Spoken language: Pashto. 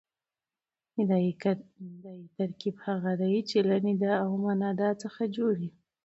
ندایي ترکیب هغه دئ، چي له ندا او منادا څخه جوړ يي.